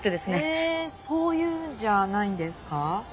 へえそういうんじゃないんですか？